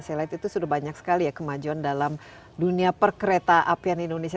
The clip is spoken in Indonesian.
saya lihat itu sudah banyak sekali ya kemajuan dalam dunia perkereta apian indonesia